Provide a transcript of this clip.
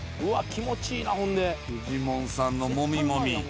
フジモンさんのもみもみ。